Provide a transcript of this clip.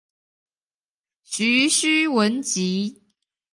徐訏文集